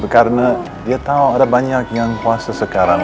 karena dia tahu ada banyak yang puasa sekarang